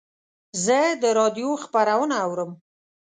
زه د رادیو خپرونه اورم.